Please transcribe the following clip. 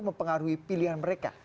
mempengaruhi pilihan mereka